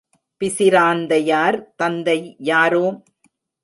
பிசிராந்தையார் தந்தை யாரோ?